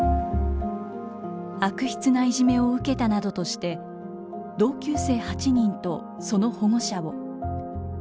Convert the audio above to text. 悪質ないじめを受けたなどとして同級生８人とその保護者を。